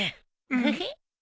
フフッ。